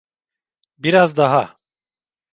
Biraz daha…